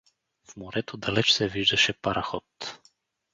В морето далеч се виждаше параход.